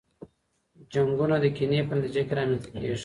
جنګونه د کینې په نتیجه کي رامنځته کیږي.